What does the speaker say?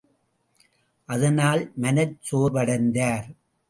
அதனால் மனச் சோர்வடைந்தார்.